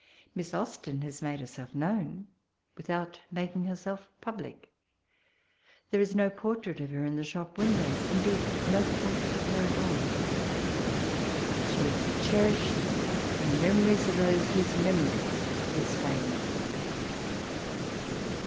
^' Miss Austen has made herself known without making herself public. There is DO portrait of her in the shop win dows ; indeed, no portrait of her at all. But she is cherished in the memories of those whose memory is ikme.